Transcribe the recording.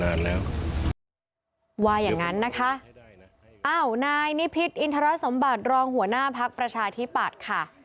อ้าวนายนิพิธิ์อินทรสมบัติรองหัวหน้าพักประชาธิปัตย์ค่ะ